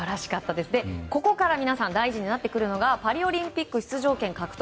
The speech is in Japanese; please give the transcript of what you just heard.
ここから皆さん大事になってくるのがパリオリンピック出場権獲得。